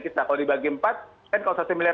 kita kalau dibagi empat kan kalau satu miliar